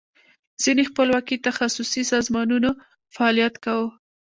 ځینې خپلواکي تخصصي سازمانونو فعالیت کاو.